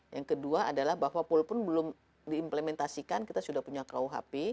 yang kedua adalah bahwa walaupun belum diimplementasikan kita sudah punya kuhp